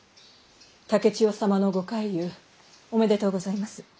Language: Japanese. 竹千代様のご快癒おめでとうございます。